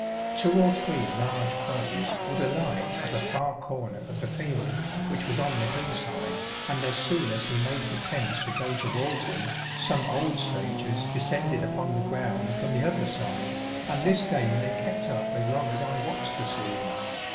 Two or three large crows would alight at a far corner of the field, .which was on the hill side, and as soon as he made pretence to go towards them, some old stagers descended upon the ground from the other side, and this game they kept up as long as I watched the scene.